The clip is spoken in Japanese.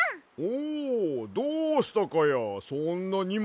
おどうしたかやそんなにもつもって。